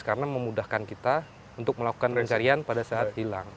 karena memudahkan kita untuk melakukan pencarian pada saat hilang